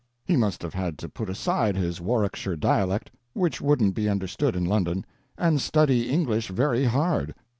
He must have had to put aside his Warwickshire dialect, which wouldn't be understood in London, and study English very hard.